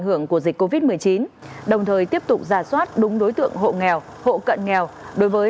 hưởng của dịch covid một mươi chín đồng thời tiếp tục giả soát đúng đối tượng hộ nghèo hộ cận nghèo đối với